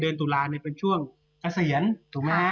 เดินตุลาในเปันช่วงเกษียณถูกไหมฮะ